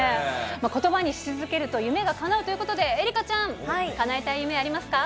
ことばにし続けると夢がかなうということで、愛花ちゃん、かなえたい夢、ありますか。